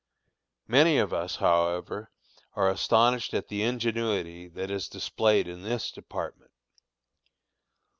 Many of us, however, are astonished at the ingenuity that is displayed in this department.